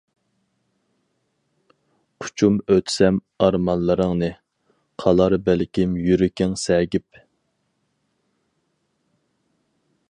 قۇچۇپ ئۆتسەم ئارمانلىرىڭنى، قالار بەلكىم يۈرىكىڭ سەگىپ.